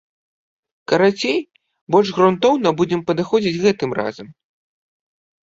Карацей, больш грунтоўна будзем падыходзіць гэтым разам.